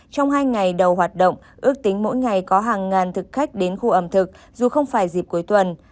trong hai ngày đầu hoạt động ước tính mỗi ngày có hàng ngàn thực khách đến khu ẩm thực dù không phải dịp cuối tuần